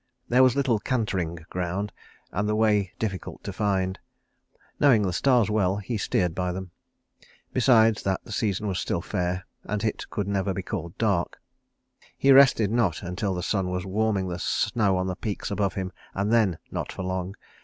There was little cantering ground, and the way difficult to find. Knowing the stars well, he steered by them. Besides that the season was still fair and it could never be called dark. He rested not until the sun was warming the snow on the peaks above him, and then not for long.